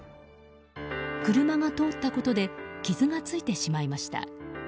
車が通ったことで傷がついてしまいました。